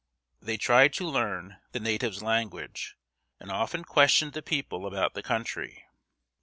They tried to learn the natives' language, and often questioned the people about the country.